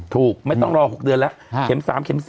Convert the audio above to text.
ถูกไม่ต้องรอ๖เดือนแล้ว